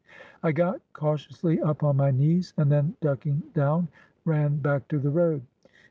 I got cautiously up on my knees, and then ducking down ran back to the road.